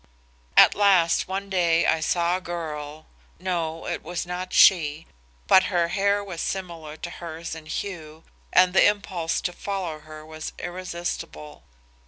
"At last, one day I saw a girl no, it was not she, but her hair was similar to hers in hue, and the impulse to follow her was irresistible.